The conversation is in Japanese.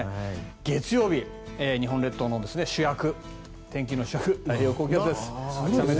月曜日、日本列島の主役天気の主役、太平洋高気圧です。